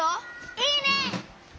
いいね！